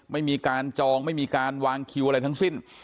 ไม่มีการจองไม่มีการวางคิวอะไรทั้งสิ้น